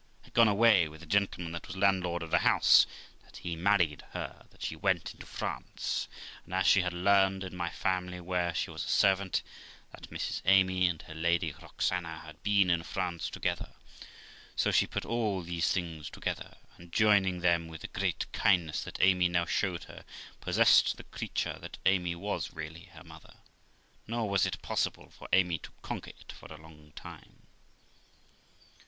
had gone away with the gentleman that was landlord of the house; that he married her; that she went into France. And, as she had learned in my family, where she was a servant, that Mrs. Amy and her Lady Roxana had been in France together, so she put all these things together, and, joining them with the great kindness that Amy now showed her, possessed the creature that Amy was really her mother, nor was it possible for Amy to conquer it for a long time.